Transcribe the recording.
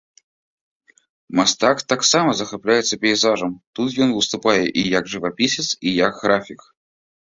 Мастак таксама захапляецца пейзажам, тут ён выступае і як жывапісец і як графік.